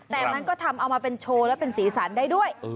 แต่มันก็ทำเอามาเป็นโชว์และเป็นสีสันได้ด้วย